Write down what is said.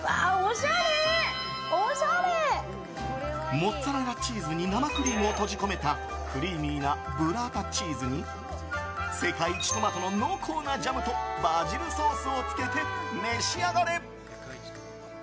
モッツァレラチーズに生クリームを閉じ込めたクリーミーなブラータチーズに世界一トマトの濃厚なジャムとバジルソースをつけてめしあがれ！